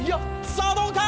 さあどうか？